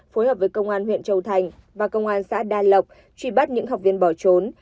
phối hợp với công an huyện châu thành và công an xã đa lộc truy bắt những học viên bỏ trốn